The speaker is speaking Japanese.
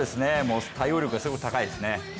対応力がすごく高いですね。